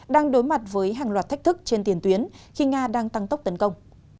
đang đối mặt với hàng loạt thách thức trên tiền tuyến khi nga đang tăng tốc tấn công